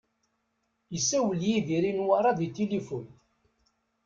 Isawel Yidir i Newwara di tilifun.